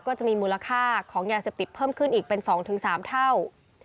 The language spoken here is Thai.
ก็จะมีมูลค่าของยาเสพติดเพิ่มขึ้นอีกเป็น๒๓เท่า